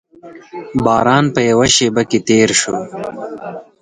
باران په یوه شېبه کې تېر شو.